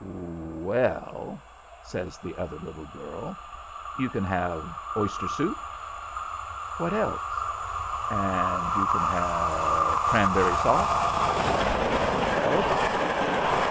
"Well," says the other little girl, "you can have oyster soup." "What else?" "And you can have cranberry sauce." "What else?"